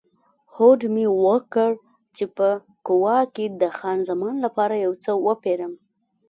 هوډ مې وکړ چې په کووا کې د خان زمان لپاره یو څه وپیرم.